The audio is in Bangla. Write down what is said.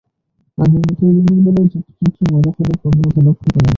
আগের মতোই দিনের বেলায় যত্রতত্র ময়লা ফেলার প্রবণতা লক্ষ করা যাচ্ছে।